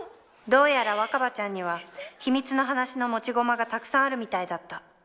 どうやら若葉ちゃんには秘密の話の持ち駒がたくさんあるみたいだった。